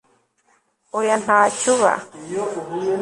oyantacyo uba